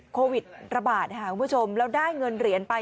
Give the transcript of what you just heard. โควิดระบาดค่ะคุณผู้ชมแล้วได้เงินเหรียญไป